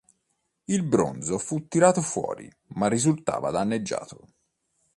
Il bronzo fu tirato fuori ma risultava danneggiato.